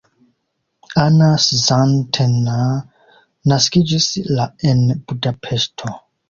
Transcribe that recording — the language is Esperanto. Anna Szandtner naskiĝis la en Budapeŝto.